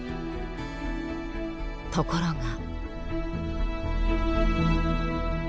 ところが。